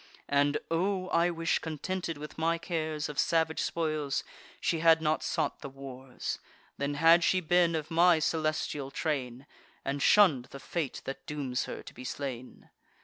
And, O! I wish, contented with my cares Of salvage spoils, she had not sought the wars! Then had she been of my celestial train, And shunn'd the fate that dooms her to be slain.